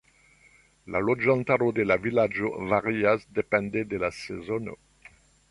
La loĝantaro de la vilaĝo varias depende de la sezono.